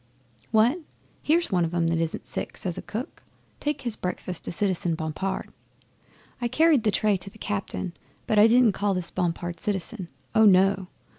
'"What! Here's one of 'em that isn't sick!" says a cook. "Take his breakfast to Citizen Bompard." 'I carried the tray to the cabin, but I didn't call this Bompard "Citizen." Oh no!